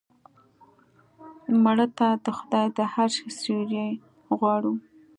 مړه ته د خدای د عرش سیوری غواړو